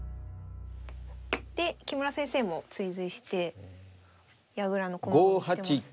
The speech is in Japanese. で木村先生も追随して矢倉の駒組みしてますね。